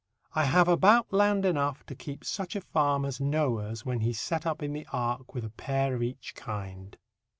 I have about land enough to keep such a farm as Noah's when he set up in the Ark with a pair of each kind.